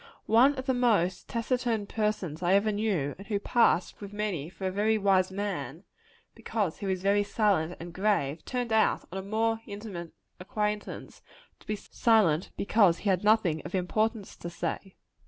One of the most taciturn persons I ever knew, and who passed with many for a very wise man, because he was very silent and grave, turned out, on a more intimate acquaintance, to be silent because he had nothing of importance to say.